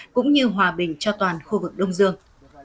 cũng như hòa bình cho toàn khu vực đông dương